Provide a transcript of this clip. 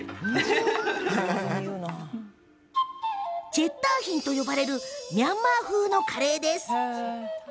チェッターヒンと呼ばれるミャンマー風のカレーです。